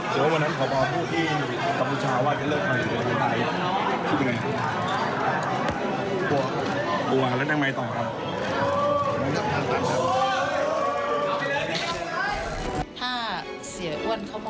สวัสดีครับสวัสดีครับ